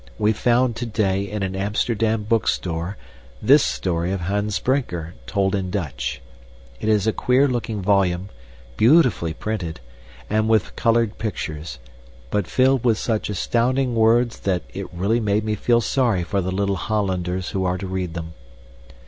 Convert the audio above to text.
We found today in an Amsterdam bookstore this story of Hans Brinker told in Dutch. It is a queer looking volume, beautifully printed, and with colored pictures, but filled with such astounding words that it really made me feel sorry for the little Hollanders who are to read them.